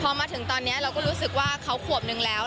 พอมาถึงตอนนี้เราก็รู้สึกว่าเขาขวบนึงแล้ว